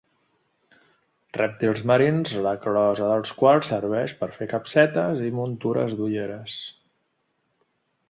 Rèptils marins la closa dels quals serveix per fer capsetes i muntures d'ulleres.